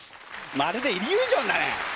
まるでイリュージョンだね。